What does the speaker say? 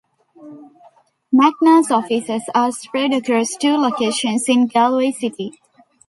Macnas offices are spread across two locations in Galway city.